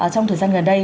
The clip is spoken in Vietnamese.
trong thời gian gần đây